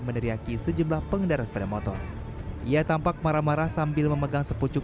meneriaki sejumlah pengendara sepeda motor ia tampak marah marah sambil memegang sepucuk